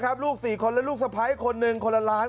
นะครับลูก๔คนแล้วลูกสะพ้ายคน๑คนละล้าน